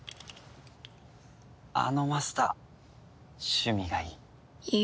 あのマスター趣味がいい。